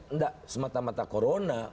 tidak semata mata corona